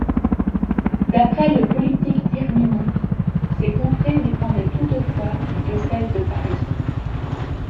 D'après le Polyptyque d'Irminon, ces contrées dépendaient toutefois du diocèse de Paris.